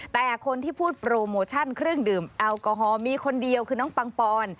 แต่คนที่พูดโปรโมชั่นเครื่องดื่มแอลกอฮอลมีคนเดียวคือน้องปังปอน